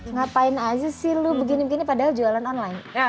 ngapain aja sih lo begini begini padahal jualan online